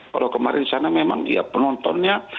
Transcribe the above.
kalau kemarin sana memang penontonnya